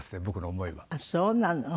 僕の思いは。